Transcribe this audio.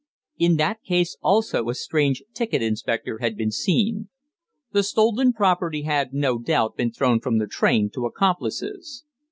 In that case also a strange ticket inspector had been seen. The stolen property had, no doubt, been thrown from the train to accomplices.